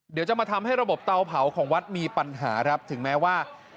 เดี๋ยวจะมาทำให้ระบบเตาเผาของวัดมีปัญหาครับถึงแม้ว่า